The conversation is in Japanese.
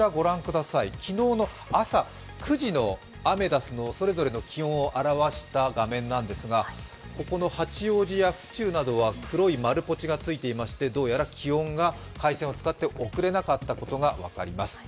昨日の朝９時のアメダスのそれぞれの気温を表した画面なんですが八王子や府中などは黒い丸ポチがついていまして、どうやら気温が回線を使って送れなかったことが分かります。